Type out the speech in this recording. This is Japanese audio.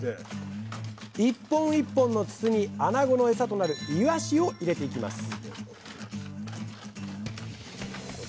一本一本の筒にあなごのエサとなるイワシを入れていきます